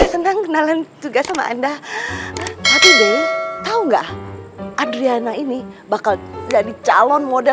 senang kenalan tugas sama anda tapi deh tau nggak adriana ini bakal jadi calon model